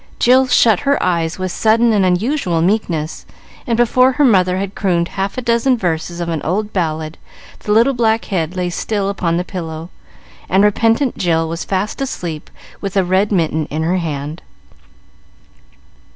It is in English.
Jill shut her eyes with sudden and unusual meekness, and before her mother had crooned half a dozen verses of an old ballad, the little black head lay still upon the pillow, and repentant Jill was fast asleep with a red mitten in her hand.